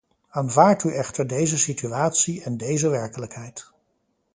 Aanvaardt u echter deze situatie en deze werkelijkheid.